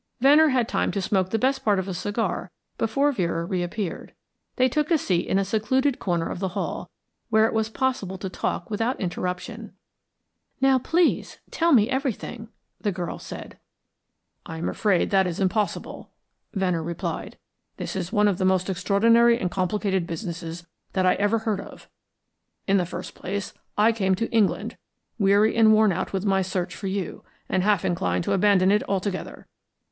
Venner had time to smoke the best part of a cigar before Vera reappeared. They took a seat in a secluded corner of the hall, where it was possible to talk without interruption. "Now, please, tell me everything," the girl said. "I am afraid that is impossible," Venner replied. "This is one of the most extraordinary and complicated businesses that I ever heard of. In the first place, I came to England, weary and worn out with my search for you, and half inclined to abandon it altogether.